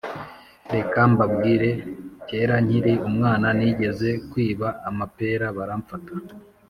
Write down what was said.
Reka mbabwire kera nkiri umwana nigeze kwiba amapera baramfata